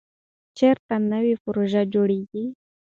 چېرته نوې پروژې جوړېږي؟